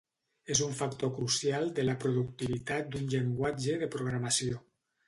És un factor crucial de la productivitat d'un llenguatge de programació.